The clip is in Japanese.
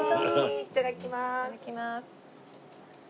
いただきます。